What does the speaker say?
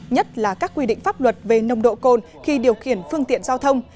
nhất là các quy định pháp luật về nồng độ cồn khi điều khiển phương tiện giao thông